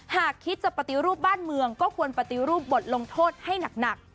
หากคิดจะปฏิรูปบ้านเมืองก็ควรปฏิรูปบทลงโทษให้หนัก